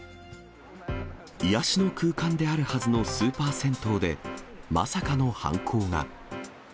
癒やしの空間であるはずのスーパー銭湯で、まさかの犯行が。